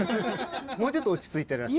もうちょっと落ち着いてらっしゃる？